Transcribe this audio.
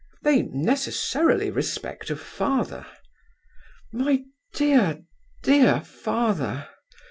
They necessarily respect a father. "My dear, dear father!"